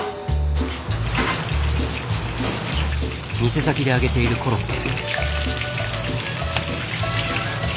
店先で揚げているコロッケ。